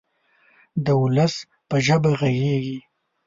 د ولس په ژبه غږیږي.